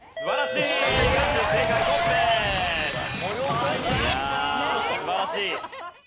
いや素晴らしい。